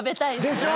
でしょ？